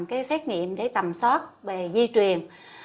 cái xét nghiệm để tầm sót về di truyền